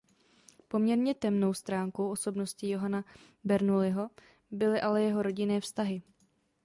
Poměrně temnou stránkou osobnosti Johanna Bernoulliho byly ale jeho rodinné vztahy.